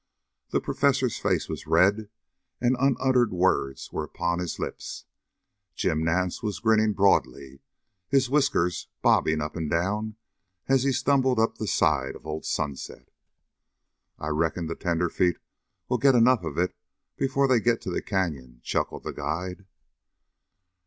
The Professor's face was red, and unuttered words were upon his lips. Jim Nance was grinning broadly, his whiskers bobbing up and down as he stumbled up the side of Old Sunset. "I reckon the tenderfeet will get enough of it before they get to the Canyon," chuckled the guide.